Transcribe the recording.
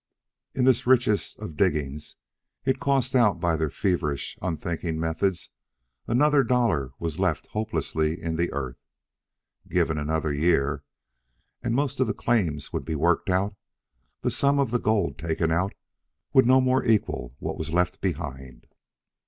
In this richest of diggings it cost out by their feverish, unthinking methods another dollar was left hopelessly in the earth. Given another year, and most of the claims would be worked out, and the sum of the gold taken out would no more than equal what was left behind.